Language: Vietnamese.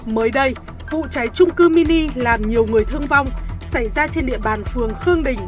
mới đây vụ cháy trung cư mini làm nhiều người thương vong xảy ra trên địa bàn phường khương đình